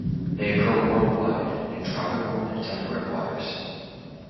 They occur worldwide in tropical and temperate waters.